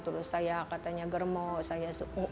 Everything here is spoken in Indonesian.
terus saya katanya germot